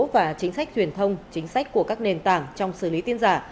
và chính sách truyền thông chính sách của các nền tảng trong xử lý tin giả